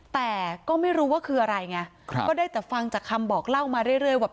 แต่ก็ไม่รู้ว่าคืออะไรไงก็ได้แต่ฟังจากคำบอกเล่ามาเรื่อยว่า